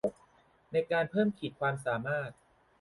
ในการเพิ่มขีดความสามารถ